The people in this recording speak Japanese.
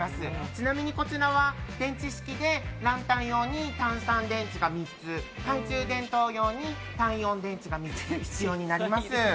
ちなみに、こちらは電池式でランタン用に単３電池が３つ懐中電灯用に単４電池３つが必要になります。